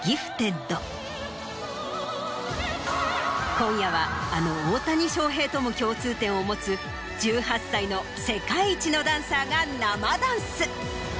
今夜はあの大谷翔平とも共通点を持つ１８歳の世界一のダンサーが生ダンス。